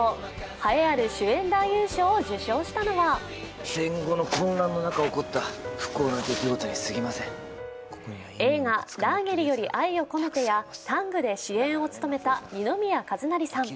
栄えある主演男優賞を受賞したのは、映画「ラーゲリより愛を込めて」や「ＴＡＮＧタング」で主演を務めた二宮和也さん。